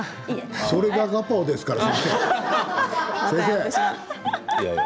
それがガパオですから。